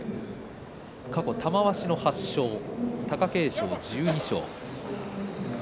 過去、玉鷲、８勝貴景勝、１２勝です。